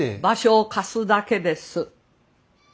場所を貸すだけです。